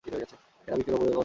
এরা বৃক্কের উপরিভাগে অবস্থিত।